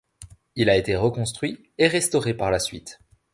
Il a été reconstruit et restauré par la suite.